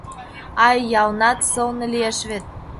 Ай, ялнат сылне лиеш вет!